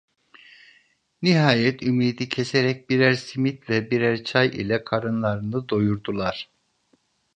Nihayet ümidi keserek birer simit ve birer çay ile karınlarını doyurdular.